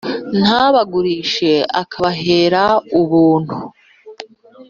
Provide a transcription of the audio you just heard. ntabagurishe akabahera ubuntu.